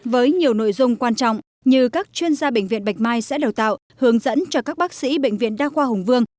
với nhiều nội dung quan trọng như các chuyên gia bệnh viện bạch mai sẽ đào tạo hướng dẫn cho các bác sĩ bệnh viện đa khoa hùng vương